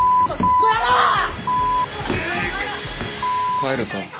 帰るか。